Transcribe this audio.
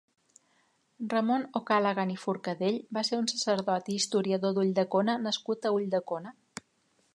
Ramon O'Callaghan i Forcadell va ser un sacerdot i historiador d'Ulldecona nascut a Ulldecona.